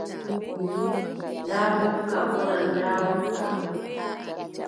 Ndaa mukka ɓuran ndaa wakka.